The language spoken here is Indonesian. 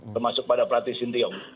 termasuk pada pratik sintiok